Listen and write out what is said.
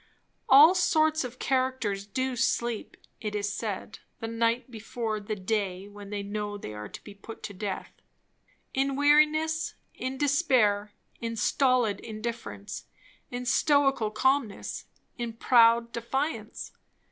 All sorts of characters do sleep, it is said, the night before the day when they know they are to be put to death; in weariness, in despair, in stolid indifference, in stoical calmness, in proud defiance.